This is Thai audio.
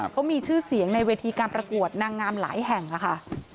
เขามีชื่อเสียงในเวทีการประกวดนางงามหลายแห่งค่ะ